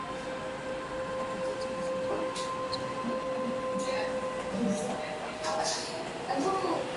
mikakati mseto ya kufuatilia na kukabiliana na magonjwa